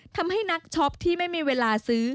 ทำให้นักช็อปที่ไม่มีเวลาซื้อ